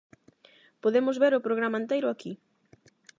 Podemos ver o programa enteiro aquí.